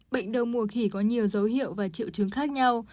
bệnh đầu mùa khỉ có nhiều dấu hiệu và triệu chứng khác nhau